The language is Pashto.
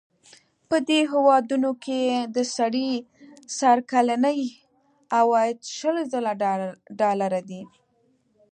په دې هېوادونو کې د سړي سر کلنی عاید شل زره ډالره دی.